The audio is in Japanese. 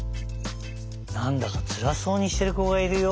なんだかつらそうにしてるこがいるよ。